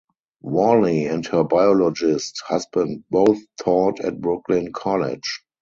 Worley and her biologist husband both taught at Brooklyn College.